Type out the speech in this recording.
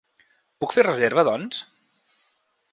Puc fer reserva doncs?